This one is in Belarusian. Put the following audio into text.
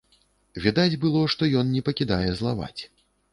Відаць было, што ён не пакідае злаваць.